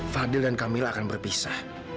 fadil dan kamil akan berpisah